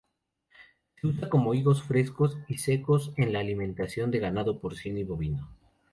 Se usa como higos frescos y secos en alimentación de ganado porcino y ovino.